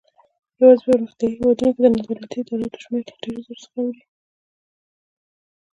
یوازې په پرمختیایي هیوادونو کې د نادولتي ادراراتو شمېر له دېرش زرو څخه اوړي.